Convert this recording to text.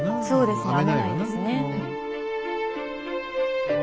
そうです。